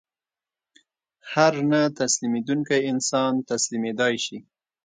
هر نه تسلیمېدونکی انسان تسلیمېدای شي